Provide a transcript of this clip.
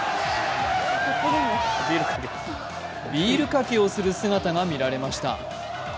ビールかけをする姿が見られました。